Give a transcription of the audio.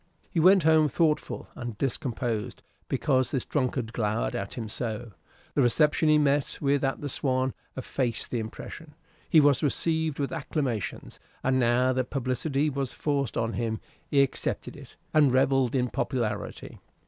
He went home thoughtful and discomposed, because this drunkard glowered at him so. The reception he met with at the "Swan" effaced the impression. He was received with acclamations, and now that publicity was forced on him, he accepted it, and revelled in popularity.